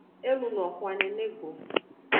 E luno xwan nene go.